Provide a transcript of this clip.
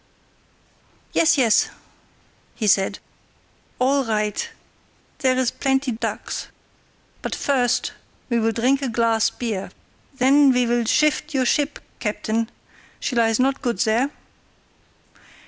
"Yes, yes," he said, "all right. There is plenty ducks, but first we will drink a glass beer; then we will shift your ship, captain—she lies not good there."